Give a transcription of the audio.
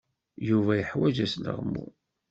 Yuba yeḥwaj asleɣmu.